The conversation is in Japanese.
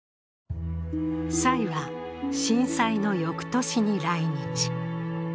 蔡は震災の翌年の来日。